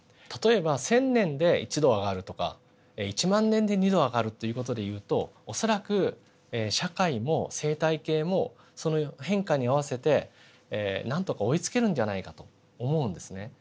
例えば１，０００年で１℃上がるとか１万年で２℃上がるという事で言うと恐らく社会も生態系もその変化に合わせてなんとか追いつけるんじゃないかと思うんですね。